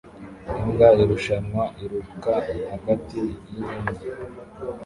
Imbwa irushanwa iruka hagati yinkingi